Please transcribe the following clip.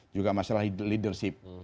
juga masalah leadership